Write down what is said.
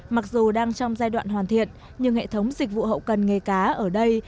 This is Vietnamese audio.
mặc dù đang trong giai đoạn hoàn thiện nhưng hệ thống dịch vụ hậu cần nghề cá ở đây